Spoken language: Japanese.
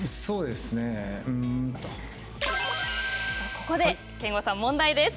ここで憲剛さん、問題です。